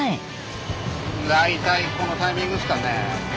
大体このタイミングっすかね。